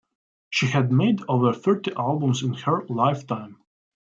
She had made over thirty albums in her lifetime.